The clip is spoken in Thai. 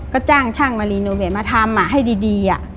ก็จ้างช่างมารีโนเวทมาทำให้ดี